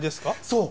そう！